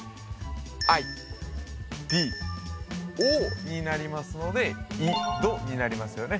ＩＤＯになりますので井戸になりますよね